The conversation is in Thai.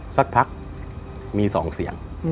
สักพักมี๒เสียง